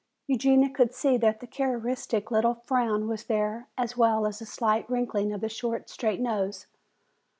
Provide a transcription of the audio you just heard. Eugenia could see that the characteristic little frown was there as well as the slight wrinkling of the short, straight nose.